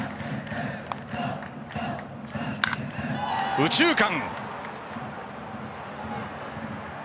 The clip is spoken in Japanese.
右中間！